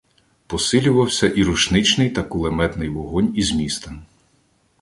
Посилювався і рушничний та кулеметний вогонь із міста.